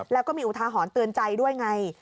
แล้วก็มีอุทาหรณ์เตือนใจด้วยไง